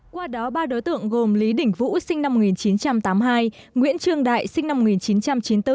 qua đó ba đối tượng gồm lý đỉnh vũ sinh năm một nghìn chín trăm tám mươi hai nguyễn trương đại sinh năm một nghìn chín trăm chín mươi bốn